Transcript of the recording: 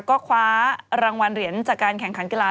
ก็คว้ารางวัลเหรียญจากการแข่งขันกีฬา